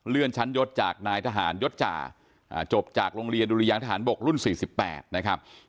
ชั้นยศจากนายทหารยศจ่าจบจากโรงเรียนดุริยางทหารบกรุ่น๔๘นะครับ